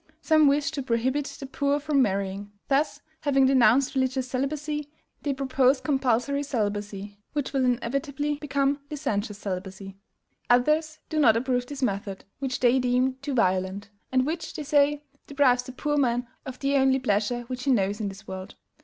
Some wish to prohibit the poor from marrying; thus, having denounced religious celibacy, they propose compulsory celibacy, which will inevitably become licentious celibacy. Others do not approve this method, which they deem too violent; and which, they say, deprives the poor man of THE ONLY PLEASURE WHICH HE KNOWS IN THIS WORLD.